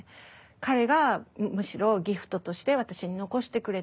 彼がむしろギフトとして私に残してくれた。